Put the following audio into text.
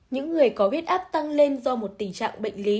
những người có huyết áp tăng lên do một tình trạng bệnh lý